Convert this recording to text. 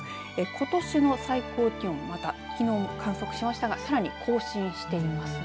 ことしの最高気温またきのう観測しましたがさらに更新していますね。